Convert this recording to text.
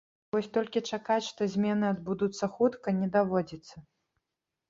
Вось толькі чакаць, што змены адбудуцца хутка, не даводзіцца.